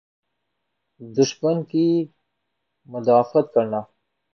دشمن کی مدافعت کرنا۔